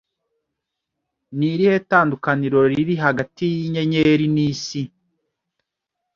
Ni irihe tandukaniro riri hagati yinyenyeri nisi?